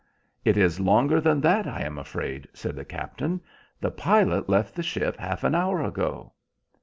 "It is longer than that, I am afraid," said the captain. "The pilot left the ship half an hour ago."